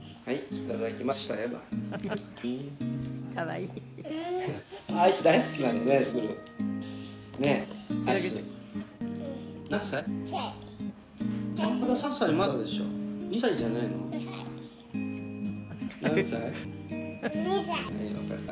“いただきます”した？」